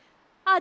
あ！